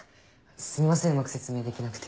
すみませんうまく説明できなくて。